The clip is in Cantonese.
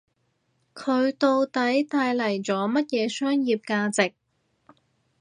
佢到底帶嚟咗乜嘢商業價值